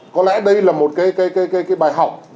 có lẽ đây là một cái bài học